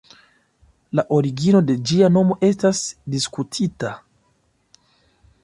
La origino de ĝia nomo estas diskutita.